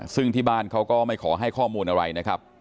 ซึ่งที่บ้านเขาก็ไม่ขอให้ข้อมูลอะไรนะครับ